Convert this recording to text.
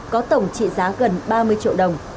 có tổng trị giá gần ba mươi triệu đồng